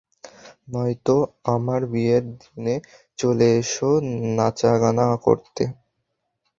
নয়তো আমার বিয়ের দিনে চলে এসো, নাচা গানা করতে।